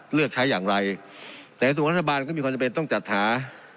เลือกใช้อย่างไรแต่ในส่วนของรัฐบาลก็มีความจำเป็นต้องจัดหา